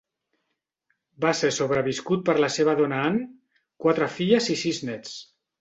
Va ser sobreviscut per la seva dona Ann, quatre filles i sis nets.